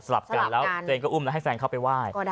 ลับกันแล้วตัวเองก็อุ้มแล้วให้แฟนเข้าไปไหว้